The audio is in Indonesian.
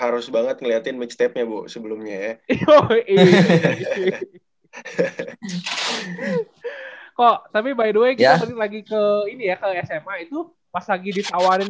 harus banget ngeliatin mixtape nya bu